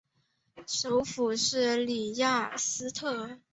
首府的里雅斯特。